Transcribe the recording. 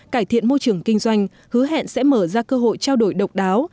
cải thiện môi trường kinh doanh hứa hẹn sẽ mở ra cơ hội trao đổi độc đáo